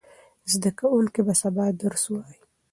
زده کوونکي به سبا درس وایي.